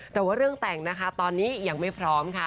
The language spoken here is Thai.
แต่ว่าเรื่องแต่งนะคะตอนนี้ยังไม่พร้อมค่ะ